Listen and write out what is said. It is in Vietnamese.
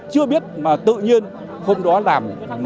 chưa biết mà tự nhiên hôm đó làm